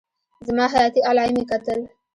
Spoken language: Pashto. زما حياتي علايم يې کتل.